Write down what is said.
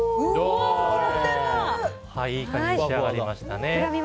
いい感じに仕上がりましたね。